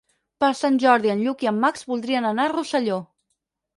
Per Sant Jordi en Lluc i en Max voldrien anar a Rosselló.